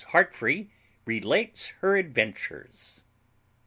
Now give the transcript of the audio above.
HEARTFREE RELATES HER ADVENTURES.